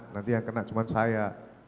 nanti yang kena cuma saya